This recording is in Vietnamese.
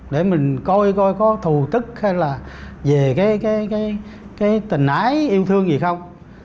để mình coi coi có thù tức hay là về cái tình ái yêu thương gì không